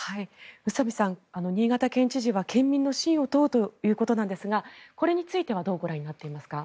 宇佐美さん新潟県知事は県民の信を問うということなんですがこれについてはどうご覧になっていますか？